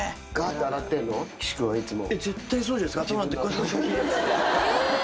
岸君はいつも。